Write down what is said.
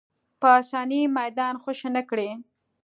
په اسانۍ میدان خوشې نه کړي